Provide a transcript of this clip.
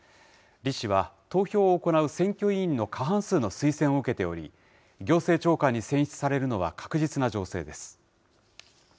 李氏は投票を行う選挙委員の過半数の推薦を受けており、行政長官に選出されるのは確実な情勢です。